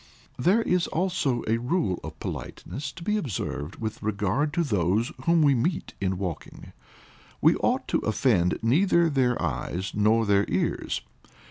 There is also a rule of politeness to be observed with regard to those whom we meet in walking. We ought to offend neither their eyes nor their ears.